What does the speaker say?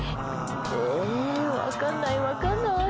えっ、分かんない、分かんない。